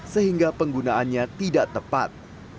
sehingga penggunaannya tidak tepat